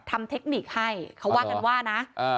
ทำเทคนิคให้เขาว่ากันว่านะอ่า